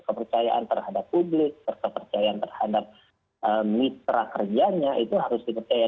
kepercayaan terhadap publik kepercayaan terhadap mitra kerjanya itu harus dipercaya